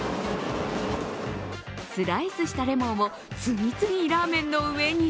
スライスしたレモンを次々ラーメンの上に。